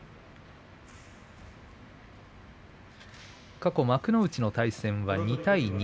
過去幕内の対戦は２対２。